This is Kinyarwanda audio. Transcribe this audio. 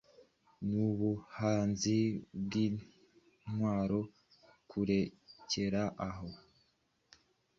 Nubuhanzi bwintwaro Kurekera aho